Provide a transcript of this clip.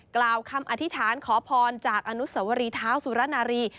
กล่าวคำอธิษฐานขอพรจากอนุสวรีเท้าสุรนารี